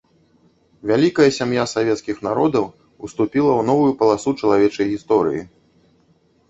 Вялікая сям'я савецкіх народаў уступіла ў новую паласу чалавечай гісторыі.